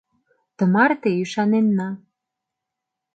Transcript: Тымарте ӱшаненна...